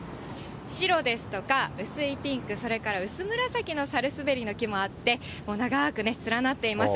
白ですとか、薄いピンク、それから薄紫のサルスベリの木もあって、長ーくね、連なっています。